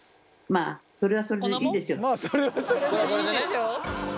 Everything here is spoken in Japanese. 「まあそれはそれでいいでしょう」。